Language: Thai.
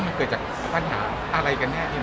มันเกิดจากปัญหาอะไรกันแน่